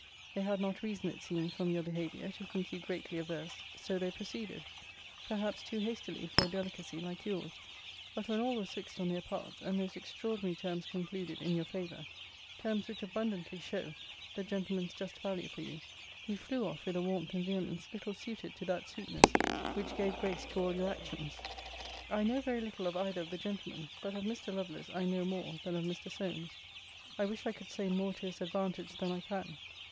They had not reason, it seems, from your behaviour, to think you greatly averse: so they proceeded: perhaps too hastily for a delicacy like your's. But when all was fixed on their parts, and most extraordinary terms concluded in your favour; terms, which abundantly show the gentleman's just value for you; you flew off with a warmth and vehemence little suited to that sweetness which gave grace to all your actions. I know very little of either of the gentlemen: but of Mr. Lovelace I know more than of Mr. Solmes. I wish I could say more to his advantage than I can.